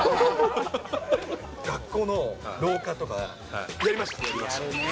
学校の廊下とか、やりました。